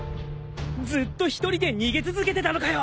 ずっと一人で逃げ続けてたのかよ！